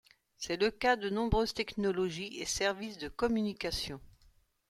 C'est le cas de nombreuses technologies et services de communications.